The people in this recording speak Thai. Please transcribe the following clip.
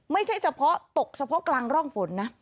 ไม่ใช่เฉพาะตกเฉพาะกลางร่องฝนนะ